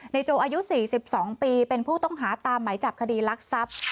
โจอายุ๔๒ปีเป็นผู้ต้องหาตามไหมจับคดีรักทรัพย์